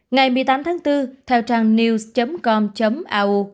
ngày một mươi tám tháng bốn theo trang news com ao